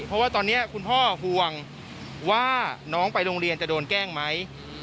เพราะว่าตอนนี้คุณพ่อห่วงว่าน้องไปโรงเรียนจะโดนแกล้งไหม